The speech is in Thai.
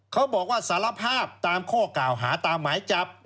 เขาบอกว่าสารภาพตามข้อกล่าวหาตามหมายจับ